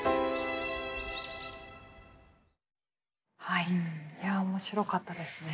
はいいや面白かったですね。